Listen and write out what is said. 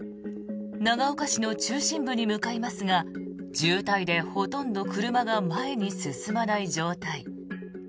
長岡市の中心部に向かいますが渋滞でほとんど車が前に進まない状態。